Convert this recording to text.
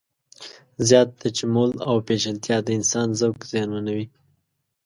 زیات تجمل او پیچلتیا د انسان ذوق زیانمنوي.